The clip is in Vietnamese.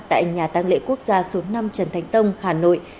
tại nhà tăng lễ quốc gia số năm trần thánh tông hà nội